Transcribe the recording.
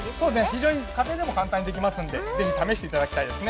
非常に家庭でも簡単にできるので是非試していただきたいです。